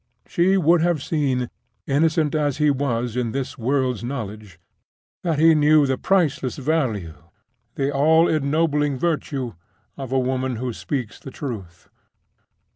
She would have seen, innocent as he was in this world's knowledge, that he knew the priceless value, the all ennobling virtue, of a woman who speaks the truth.